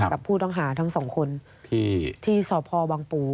กับผู้ต้องหาทั้งสองคนที่สพบังปู